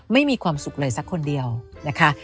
ไม่มีความสุขเลยสักคนเดียวนะคะ